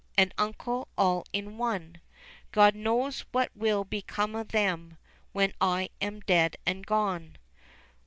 And uncle, all in one ; God knows what will become of them When I am dead and gone."